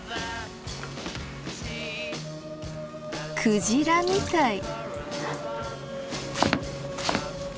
クジラみたい。